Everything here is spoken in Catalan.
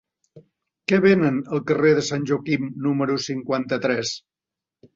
Què venen al carrer de Sant Joaquim número cinquanta-tres?